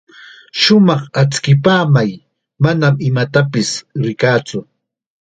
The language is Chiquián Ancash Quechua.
Shumaq achkipamay, manam imatapis rikaatsu.